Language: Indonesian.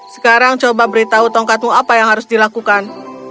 sekarang coba beritahu tongkatmu apa yang harus dilakukan